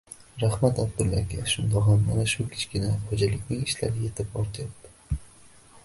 — Rahmat Abdulla aka! Shundog‘am mana shu kichkina xo‘jalikning ishlari yetib-ortayapti.